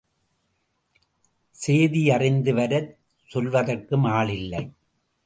சேதியறிந்துவரச் சொல்வதற்கும் ஆள் இல்லை.